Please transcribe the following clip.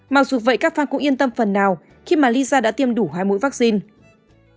mặc dù vậy các fan cũng yên tâm phần nào khi mà lysa đã tiêm đủ hai mũi vaccine